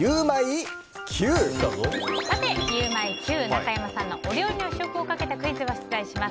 中山さんのお料理の試食をかけたクイズを出題します。